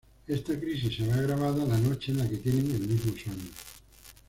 Esta crisis se ve agravada la noche en la que tienen el mismo sueño.